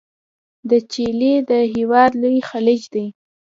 د چیلي د هیواد لوی خلیج دی.